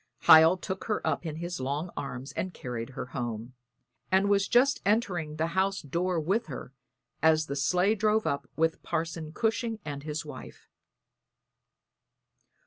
Hiel took her up in his long arms and carried her home, and was just entering the house door with her as the sleigh drove up with Parson Cushing and his wife.